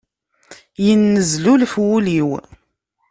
Yennezlulef wul-iw.